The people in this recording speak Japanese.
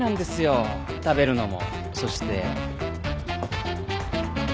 食べるのもそして